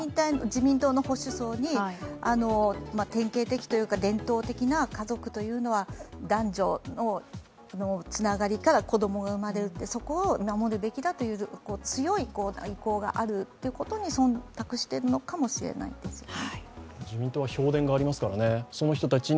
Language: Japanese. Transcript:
自民党の保守層に典型的というか伝統的な家族というのは男女のつながりから子供が生まれるというそこを守るべきだという強い意向があるのにそんたくしているのかもしれませんね。